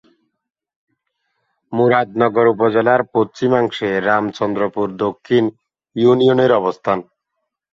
মুরাদনগর উপজেলার পশ্চিমাংশে রামচন্দ্রপুর দক্ষিণ ইউনিয়নের অবস্থান।